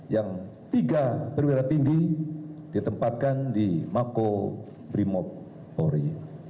yang tiga perwira tinggi ditempatkan di mako brimob polri